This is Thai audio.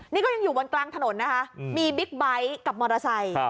นี่ก็ยังอยู่บนกลางถนนนะคะมีบิ๊กไบท์กับมอเตอร์ไซค์